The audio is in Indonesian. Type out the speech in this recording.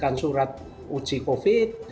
kemudian surat uji covid sembilan belas